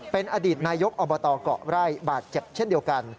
เป็นอดีตนายกอบตเกาะไร่บาดเจ็บเช่นเดียวกัน